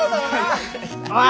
おい！